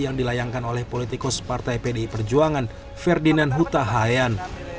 yang dilayangkan oleh politikus partai pdi perjuangan ferdinand huta hayan